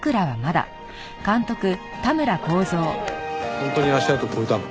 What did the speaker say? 本当に足跡越えたの？